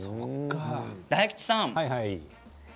大吉さん